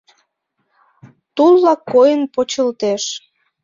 Тулла койын почылтеш.